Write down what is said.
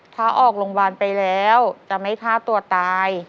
ถ้าออกโรงพยาบาลไปแล้วจะไม่ฆ่าตัวตาย